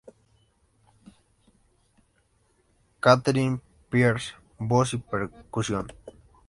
Catherine Pierce: Voz y percusión.